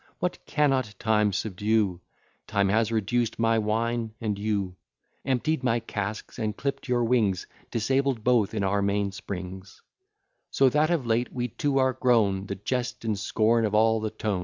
what cannot Time subdue? Time has reduced my wine and you; Emptied my casks, and clipp'd your wings, Disabled both in our main springs; So that of late we two are grown The jest and scorn of all the town.